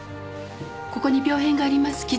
ここに病変があります